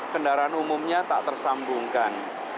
kendaraan umumnya tak tersambungkan